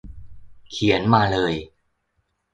เขียนมาเลย